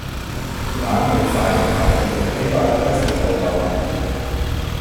Lange Zeit arbeitete Kemal als Metallbauer.